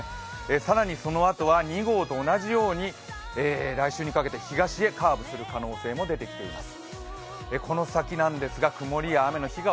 更にそのあとは２号と同じように来週にかけて東へカーブする可能性も出てきています。